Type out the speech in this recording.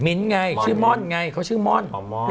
มิ้นไงชื่อมอนไงเขาชื่อมอน